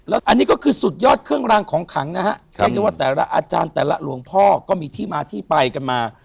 อันนี้ก็คือสุดยอดเครื่องรางของขังนะฮะเรียกได้ว่าแต่ละอาจารย์แต่ละหลวงพ่อก็มีที่มาที่ไปกันมา